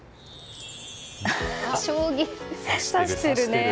将棋さしてるね。